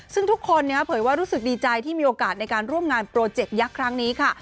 ซึ่งทุกคนเผยว่ารู้สึกดีใจที่มีโอกาสในการร่วมงานโปรเจกต์ยักษ์ครั้งนี้ค่ะ